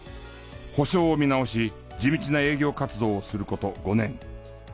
補償を見直し地道な営業活動をすること５年。